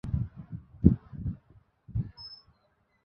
তিনি কলাম্বিয়া প্রত্যাবর্তন করেন।